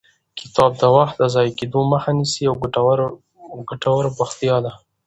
کتاب د وخت د ضایع کېدو مخه نیسي او ګټور بوختیا ده.